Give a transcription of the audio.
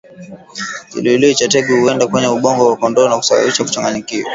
Kiluilui cha tegu huenda kwenye ubongo wa kondoo na kusababisha kuchanganyikiwa